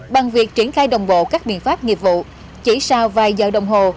bằng việc triển khai đồng bộ các biện pháp nghiệp vụ chỉ sau vài giờ đồng hồ